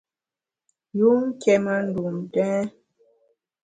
Yun nké ma ndun ntèn.